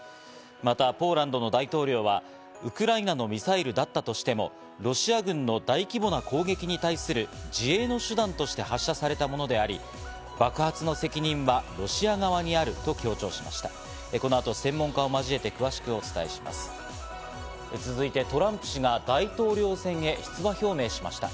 またポーランドの大統領は、ウクライナのミサイルだったとしても、ロシア軍の大規模な攻撃に対する自衛の手段として発射されたものであり、爆発の責任はロシア側にあると強調しました。